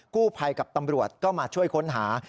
กู้ภัยกับตำรวจก็มาช่วยค้นหา